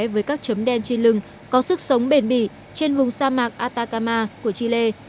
với các chấm đen trên lưng có sức sống bền bỉ trên vùng sa mạc atacama của chile